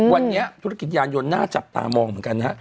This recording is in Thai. วันนี้ธุรกิจยานยนต์น่าจับตามองเหมือนกันฮะ